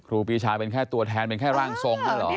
ครูปีชาเป็นแค่ตัวแทนเป็นแค่ร่างทรงนั่นเหรอ